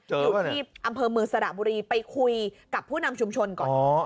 อยู่ที่อำเภอเมืองสระบุรีไปคุยกับผู้นำชุมชนก่อน